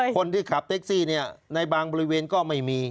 คนที่ขับแท็กซี่ในบางบริเวณก็ไม่มี